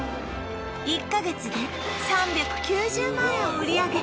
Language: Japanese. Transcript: １か月で３９０万円を売り上げ